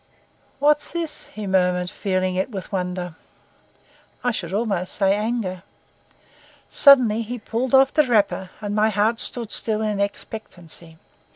"What's this?" he murmured, feeling it with wonder, I should almost say anger. Suddenly he pulled off the wrapper, and my heart stood still in expectancy.